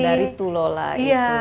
dari tulola itu iya